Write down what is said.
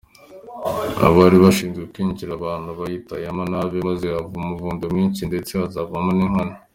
Abari bashinzwe kwinjiza abantu babyitwayemo nabi maze haba umuvundo mwinshi ndetse hazamo n’inkoni.